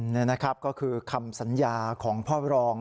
นี่นะครับก็คือคำสัญญาของพ่อรอง